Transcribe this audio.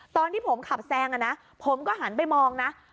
ตอนที่ผมขับแซงผมก็หันไปมองนะ